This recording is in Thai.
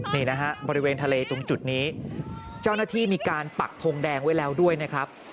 นี่นะฮะบริเวณทะเลตรงจุดนี้เจ้าหน้าที่มีการปักทงแดงไว้แล้วด้วยนะครับ